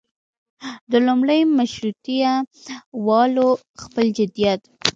د لومړي مشروطیه والو خپل جديت.